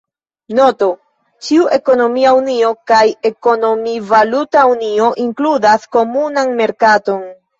Noto: ĉiu ekonomia unio kaj ekonomi-valuta unio inkludas komunan merkaton.